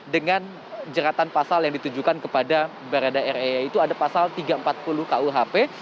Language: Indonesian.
dengan jeratan pasal yang ditujukan kepada barada re yaitu ada pasal tiga ratus empat puluh kuhp